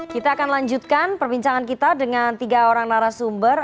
kita akan lanjutkan perbincangan kita dengan tiga orang narasumber